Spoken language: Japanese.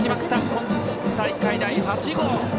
今大会第８号。